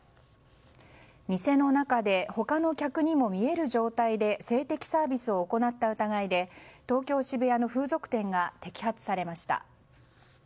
店の中で他の客にも見える状態で性的サービスを行った疑いで東京・渋谷の風俗店が摘発されました。